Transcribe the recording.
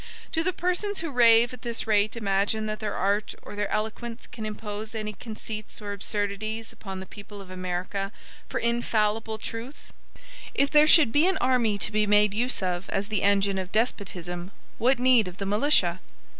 Do the persons who rave at this rate imagine that their art or their eloquence can impose any conceits or absurdities upon the people of America for infallible truths? If there should be an army to be made use of as the engine of despotism, what need of the militia?